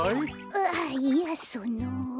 ああいやその。